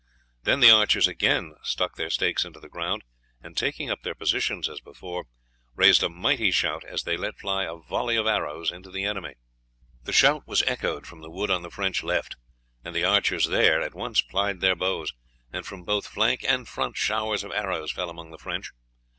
Then the archers again stuck their stakes into the ground, and, taking up their position as before, raised a mighty shout as they let fly a volley of arrows into the enemy. The shout was echoed from the wood on the French left, and the archers there at once plied their bows, and from both flank and front showers of arrows fell among the French.